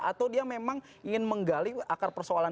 atau dia memang ingin menggali akar persoalan